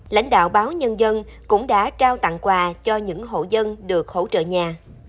lãnh đạo báo nhân dân cũng đã trao tặng quà cho những hộ dân được hỗ trợ nhà